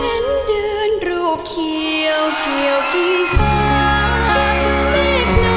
เห็นเดือนรูปเขียวเกี่ยวกินฟ้า